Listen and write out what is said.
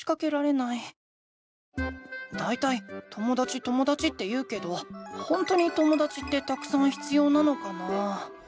だいたいともだちともだちって言うけどほんとにともだちってたくさん必要なのかな？